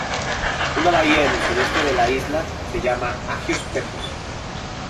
Una bahía en el suroeste de la isla se llama "Agios Petros".